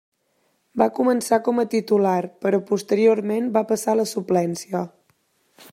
Va començar com a titular, però posteriorment va passar a la suplència.